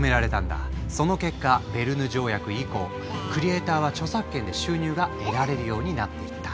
その結果ベルヌ条約以降クリエイターは著作権で収入が得られるようになっていった。